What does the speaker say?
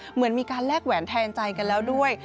เหมือนมีการแลกแหวนแทนใจกันแล้วด้วย